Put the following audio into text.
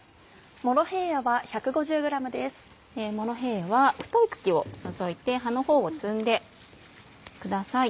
モロヘイヤは太い茎を除いて葉のほうを摘んでください。